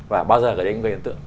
và bao giờ gây đến những gây ấn tượng